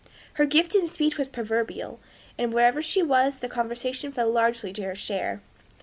Her gift in speech was proverbial, and wherever she was the conversation fell largely to her share.